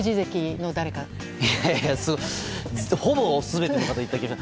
いやいや、ほぼ全ての方を言った気が。